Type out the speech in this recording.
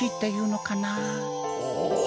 お！